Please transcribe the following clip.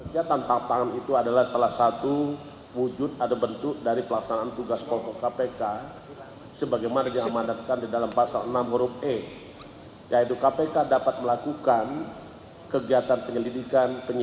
jangan lupa like share dan subscribe channel ini